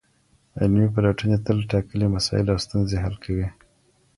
علمي پلټني تل ټاکلي مسایل او ستونزي حل کوي.